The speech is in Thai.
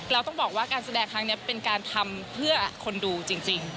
ต้องบอกว่าการแสดงครั้งนี้เป็นการทำเพื่อคนดูจริง